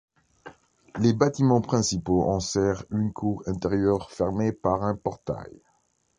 Les bâtiments principaux enserrent une cour intérieure fermée par un portail.